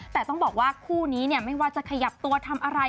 แต่ต้องบอกว่าคู่นี้ไม่ว่าจะขยับตัวทำอะไร